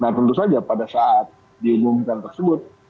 nah tentu saja pada saat diumumkan tersebut